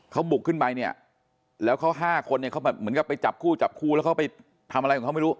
เขาบุกขึ้นไปเนี่ยแล้วเขา๕คนเนี่ยเขาเหมือนกับไปจับคู่จับคู่แล้วเขาไปทำอะไรของเขาไม่รู้